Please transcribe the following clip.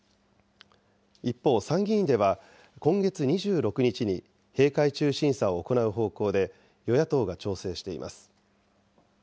一方、参議院では、今月２６日に閉会中審査を行う方向で、与野党が調整しています。